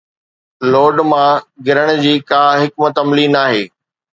load مان گرڻ جي ڪا حڪمت عملي ناهي